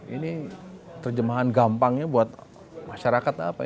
ini terjemahan gampangnya buat masyarakat apa ya